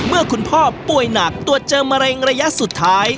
เมื่อคุณพ่อป่วยหนักตรวจเจอมะเร็งระยะสุดท้าย